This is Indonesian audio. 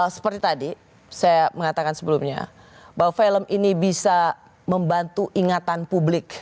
seperti tadi saya mengatakan sebelumnya bahwa film ini bisa membantu ingatan publik